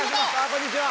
こんにちは。